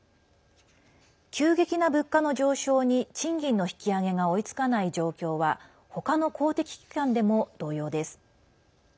急激な物価の上昇に賃金の引き上げが追いつかない状況はほかの公的機関でも同様です。